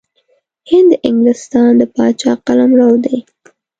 هند د انګلستان د پاچا قلمرو دی.